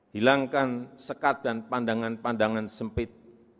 hilangkan sekat dan pandangan pandangan sempit